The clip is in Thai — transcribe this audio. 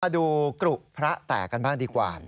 ดูกรุพระแตกกันบ้างดีกว่า